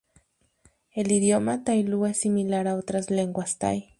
El idioma Tai Lü es similar a otras Lenguas tai.